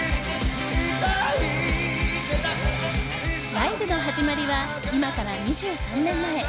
ライブの始まりは今から２３年前。